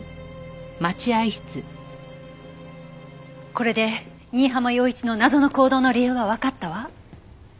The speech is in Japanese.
これで新浜陽一の謎の行動の理由がわかったわ。